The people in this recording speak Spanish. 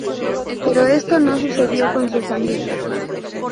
Pero esto no sucedió con su familia.